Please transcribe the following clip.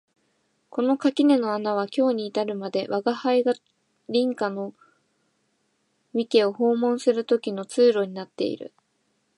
この垣根の穴は今日に至るまで吾輩が隣家の三毛を訪問する時の通路になっている